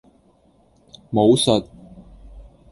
武術